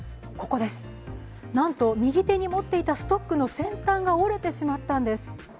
ここです、なんと右手に持っていたストックの先端が折れてしまったんです。